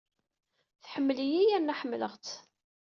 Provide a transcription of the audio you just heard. Tḥemmel-iyi yerna ḥemmleɣ-tt.